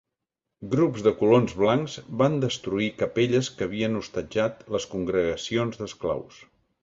Grups de colons blancs van destruir capelles que havien hostatjat les congregacions d'esclaus.